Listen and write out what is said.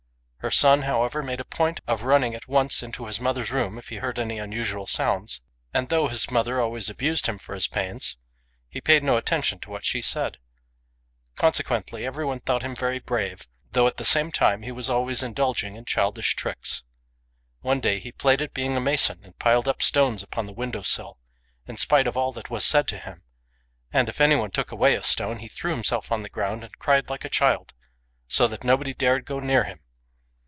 Her son, however, made a point of running at once into his mother's room if he heard any unusual sounds ; and though his mother always abused him for his pains, he paid no attention to what she said. At the same time, the more people urged him on to keep a sharp look out, the more eccen tric were his mother's ways. One day she played at being a mason, and piled up stones upon the window sill, in spite of all that was said to her; and if anyone took away a stone, she threw herself on the ground, and cried like a child, so that nobody dare go near her.